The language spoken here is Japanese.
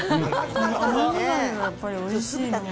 甘酢だれがやっぱりおいしいな。